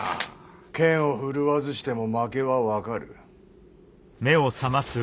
剣を振るわずしても負けは分かる。